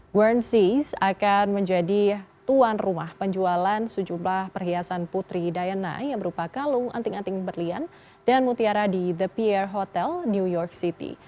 guarn seas akan menjadi tuan rumah penjualan sejumlah perhiasan putri diana yang berupa kalung anting anting berlian dan mutiara di the pierre hotel new york city